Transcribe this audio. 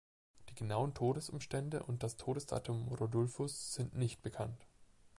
Die genauen Todesumstände und das Todesdatum Rodulfus' sind nicht bekannt.